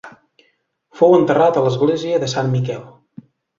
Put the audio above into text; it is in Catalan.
Fou enterrat a l'Església de Sant Miquel.